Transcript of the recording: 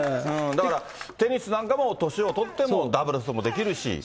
だからテニスなんかも、年を取ってもダブルスもできるし。